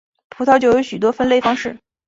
葡萄酒有许多分类方式。